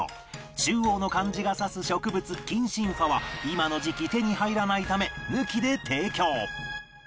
中央の漢字が指す植物キンシンファは今の時期手に入らないため抜きで提供